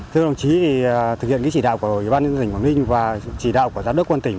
thưa đồng chí thực hiện chỉ đạo của ủy ban tỉnh quảng ninh và chỉ đạo của giám đốc quân tỉnh